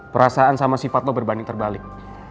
perasaan sama sifat lo berbanding terbalik